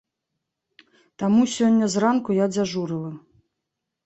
Таму сёння зранку я дзяжурыла.